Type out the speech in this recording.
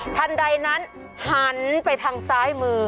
ทันใดนั้นหันไปทางซ้ายมือ